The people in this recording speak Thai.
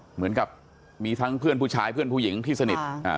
เหมือนกับมีทั้งเพื่อนผู้ชายเพื่อนผู้หญิงที่สนิทอ่า